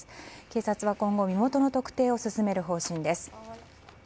警察は今後身元の特定を進める方針です。